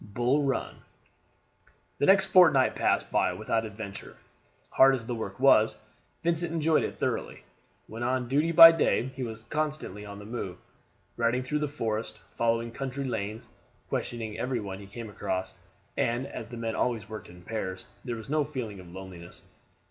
BULL RUN. The next fortnight passed by without adventure. Hard as the work was, Vincent enjoyed it thoroughly. When on duty by day he was constantly on the move, riding through the forest, following country lanes, questioning every one he came across; and as the men always worked in pairs, there was no feeling of loneliness.